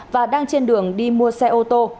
và đang trên đường đi mua xe ô tô